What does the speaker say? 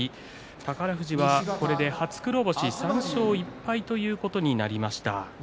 宝富士はこれで初黒星、３勝１敗ということになりました。